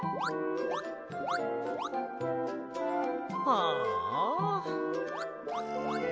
ああ。